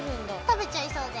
食べちゃいそうだよね。